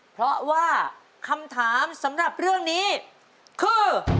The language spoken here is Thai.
เพราะว่าคำถามสำหรับเรื่องนี้คือ